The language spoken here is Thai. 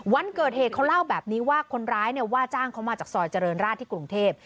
วันเกิดเหตุเขาเล่าแบบนี้ว่าคนร้ายเนี่ยว่าจ้างเขามาจากซอยเจริญราชที่กรุงเทพ